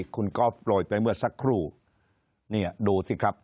ครูเนี่ยดูสิครับ